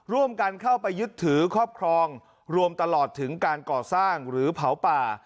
ร่วมกันเข้าไปยึดถือครอบครองรวมตลอดถึงการก่อสร้างหรือเผาป่า